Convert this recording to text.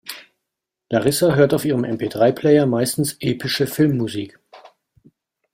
Larissa hört auf ihrem MP-drei-Player meistens epische Filmmusik.